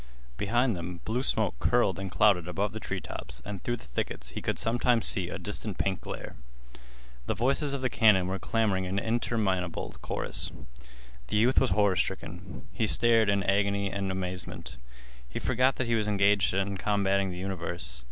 Behind them blue smoke curled and clouded above the treetops, and through the thickets he could sometimes see a distant pink glare. The voices of the cannon were clamoring in interminable chorus. The youth was horrorstricken. He stared in agony and amazement. He forgot that he was engaged in combating the universe.